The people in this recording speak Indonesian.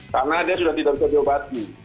karena dia sudah tidak bisa diobati